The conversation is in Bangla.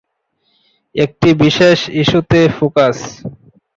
একটি বিশেষ ইস্যুতে ফোকাস।